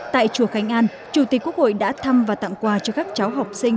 tại chùa khánh an chủ tịch quốc hội đã thăm và tặng quà cho các cháu học sinh